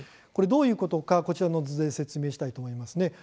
どういうことか、こちらの図で説明したいと思います。